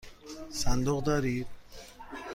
صندوق دارید؟